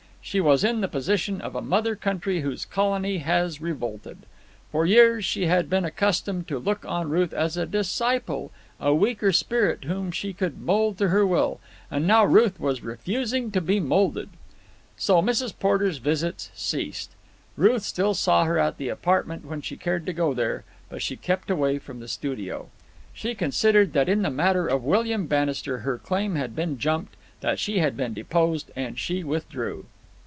She was in the position of a mother country whose colony has revolted. For years she had been accustomed to look on Ruth as a disciple, a weaker spirit whom she could mould to her will, and now Ruth was refusing to be moulded. So Mrs. Porter's visits ceased. Ruth still saw her at the apartment when she cared to go there, but she kept away from the studio. She considered that in the matter of William Bannister her claim had been jumped, that she had been deposed; and she withdrew.